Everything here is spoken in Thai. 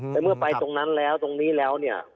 แต่เมื่อไปตรงนั้นแล้วตรงนี้แล้วเนี่ย